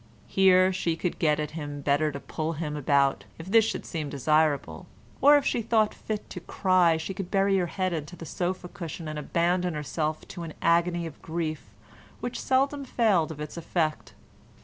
Here she could get at him better to pull him about, if this should seem desirable, or if she thought fit to cry she could bury her head in the sofa cushion and abandon herself to an agony of grief which seldom failed of its effect.